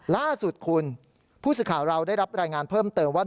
ล่าสุดคุณผู้สื่อข่าวเราได้รับรายงานเพิ่มเติมว่า